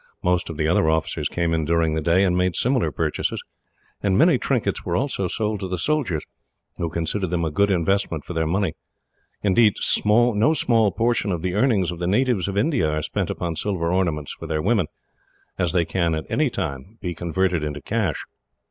Most of the other officers came in during the day, and made similar purchases, and many trinkets were also sold to the soldiers, who considered them a good investment for their money. Indeed, no small portion of the earnings of the natives of India are spent upon silver ornaments for their women, as they can at any time be converted into cash.